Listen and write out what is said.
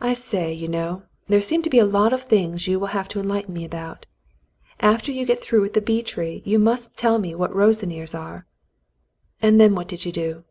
"I say, you know. There seem to be a lot of things you will have to enlighten me about. After you get through with the bee tree you must tell me what * ros'n ears' are. And then what did you do